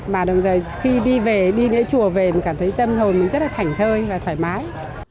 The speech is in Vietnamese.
mà đồng thời khi đi về đi lễ chùa về thì cảm thấy tâm hồn mình rất là thảnh thơi và thoải mái